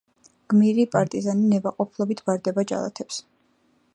გმირი პარტიზანი ნებაყოფლობით ბარდება ჯალათებს.